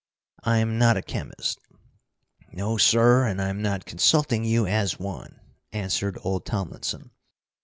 I'm not a chemist " "No, sir, and I am not consulting you as one," answered old Tomlinson.